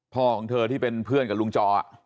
ของเธอที่เป็นเพื่อนกับลุงจอ